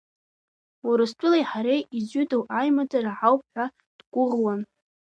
Урыстәылеи ҳареи изҩыдоу аимадара ҳауп ҳәа дгәыӷуан.